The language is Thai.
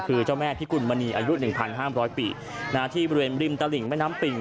คือเจ้าแม่พิกุลมณีอายุ๑๕๐๐ปีที่บริเวณริมตลิ่งแม่น้ำปิ่ง